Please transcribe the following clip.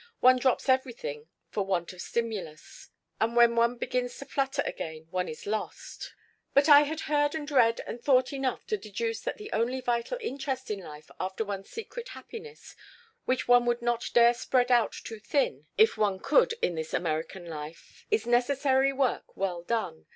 One drops everything for want of stimulus, and when one begins to flutter again one is lost. "But I heard and read and thought enough to deduce that the only vital interest in life after one's secret happiness which one would not dare spread out too thin if one could in this American life is necessary work well done.